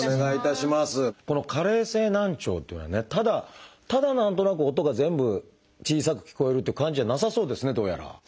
この加齢性難聴っていうのはねただただ何となく音が全部小さく聞こえるっていう感じじゃなさそうですねどうやら。